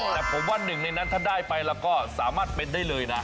แต่ผมว่าหนึ่งในนั้นถ้าได้ไปแล้วก็สามารถเป็นได้เลยนะ